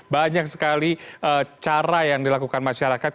banyak sekali cara yang dilakukan masyarakat